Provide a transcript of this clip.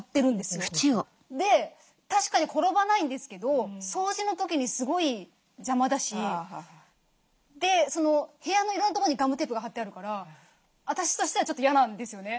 で確かに転ばないんですけど掃除の時にすごい邪魔だし部屋のいろんなとこにガムテープが貼ってあるから私としてはちょっと嫌なんですよね。